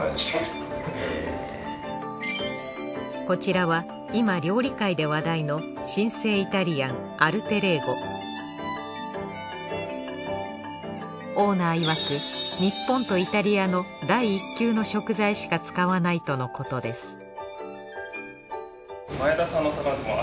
こちらは今料理界で話題の新星イタリアンオーナー曰く日本とイタリアの第一級の食材しか使わないとのことです